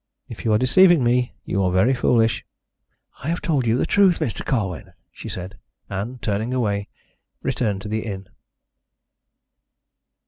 If you are deceiving me you are very foolish." "I have told you the truth, Mr. Colwyn," she said, and, turning away, returned to the inn.